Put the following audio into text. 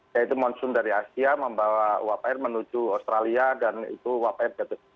yaitu monsoon dari asia membawa wapr menuju australia dan itu wapr